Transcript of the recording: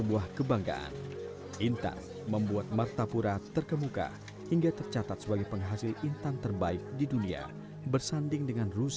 masih tidak mempunyai langkah punya cara khusus peraciones nawash menggogol